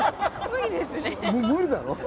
無理だろ。